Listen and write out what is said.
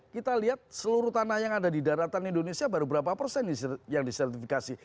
kita lihat seluruh tanah yang ada di daratan indonesia baru berapa persen yang disertifikasi